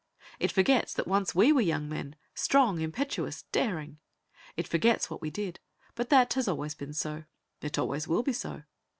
It forgets that once we were young men, strong, impetuous, daring. It forgets what we did; but that has always been so. It always will be so.